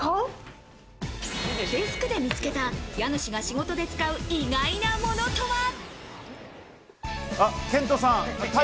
デスクで見つけた、家主が仕事で使う、意外なものとは？